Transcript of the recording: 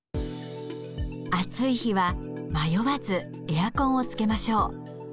暑い日は迷わずエアコンをつけましょう。